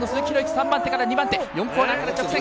３番手から２番手４コーナーから直線。